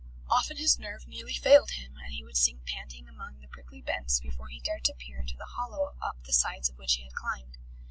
Often his nerve nearly failed him, and he would sink panting among the prickly bents before he dared to peer into the hollow up the sides of which he had climbed.